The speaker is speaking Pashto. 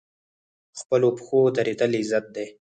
په خپلو پښو دریدل عزت دی